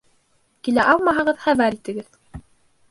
Килә алмаһағыҙ, хәбәр итегеҙ